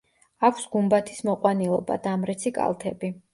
აქვს გუმბათის მოყვანილობა, დამრეცი კალთები.